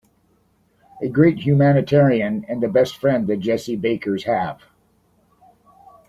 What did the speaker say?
A great humanitarian and the best friend the Jessie Bakers have.